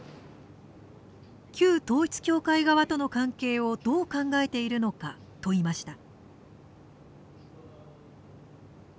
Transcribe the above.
旧統一教会側との関係をどう考えているのか、問いました。